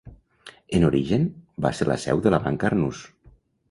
En origen, va ser la seu de la Banca Arnús.